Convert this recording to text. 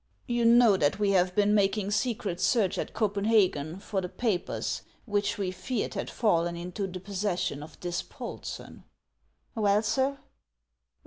You know that we have been making secret search at Copenhagen for the pa pers which we feared had fallen into the possession of Bispolsen ?"" Well, sir